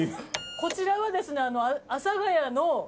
こちらはですね。